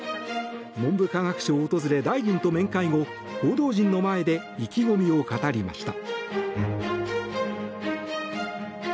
文部科学省を訪れ大臣と面会後報道陣の前で意気込みを語りました。